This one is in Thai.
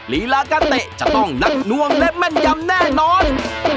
ลีลาการเตะจะต้องหนักนวงและแม่นยำแน่นอน